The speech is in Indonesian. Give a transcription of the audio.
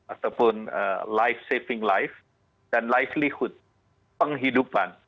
ataupun life saving life dan livelihood penghidupan